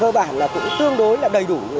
cơ bản là cũng tương đối là đầy đủ